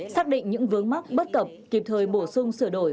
xác định những vướng mắc bất cập kịp thời bổ sung sửa đổi